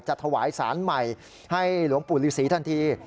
ถวายสารใหม่ให้หลวงปู่ฤษีทันที